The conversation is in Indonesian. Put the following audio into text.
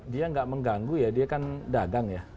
dia nggak mengganggu ya dia kan dagang ya